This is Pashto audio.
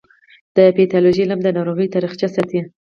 د پیتالوژي علم د ناروغیو تاریخچه ساتي.